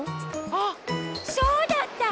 あっそうだった！